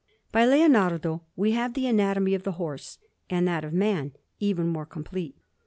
By Leonardo we have the anatomy of the horse, and that of man even more complete.